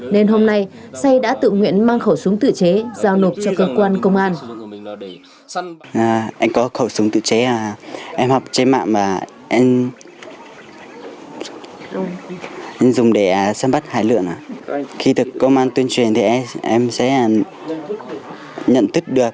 nên hôm nay xay đã tự nguyện mang khẩu súng tử chế giao nộp cho cơ quan công an